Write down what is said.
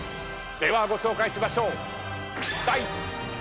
ではご紹介しましょう。